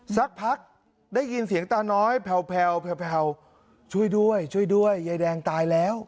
สักพักได้ยินเสียงตาน้อยแผลวแผลวช่วยด้วยช่วยด้วยยายแดงตายแล้ว